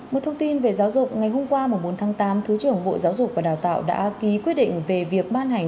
một thông tin về giáo dục ngày hôm qua bốn tháng tám thứ trưởng bộ giáo dục và đào tạo đã ký quyết định về việc ban hành